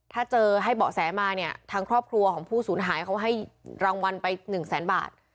ถ้าเจอให้เบาะแสมาเนี่ยทางครอบครัวของผู้สูญหายเขาให้รางวัลไป๑แสนบาท